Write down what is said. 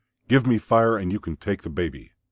Give me Fire and you can take the baby."